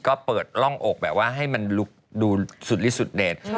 ก็เปิดร่องอกแบบว่าให้มันลุกดูสุดลิสุดเด็ด